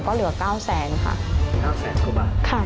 ก็เหลือเก้าแสงค่ะจริงเก้าแสงกว่าบาท